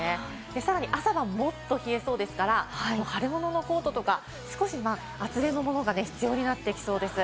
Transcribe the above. さらに朝晩、もっと冷えそうですから、春物のコートとか少し厚手のものが必要になってきそうです。